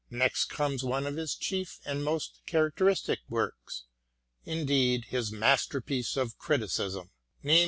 Next comes one of his chief and most characteristic works — ^indeed, his masterpiece in criticism — viz.